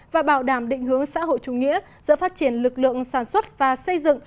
và bảo đảm định hướng xã hội chủ nghĩa giữa phát triển lực lượng sản xuất và xây dựng